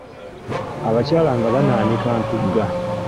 Abakyala nga banaanika ntugga.